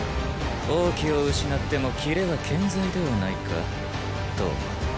王騎を失ってもキレは健在ではないか騰。